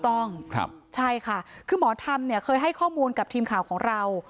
ถูกต้องใช่ค่ะคือหมอธรรมเนี่ยเคยให้ข้อมูลกับทีมข่าวของเรา